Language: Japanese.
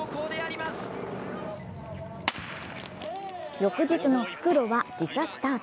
翌日の復路は時差スタート。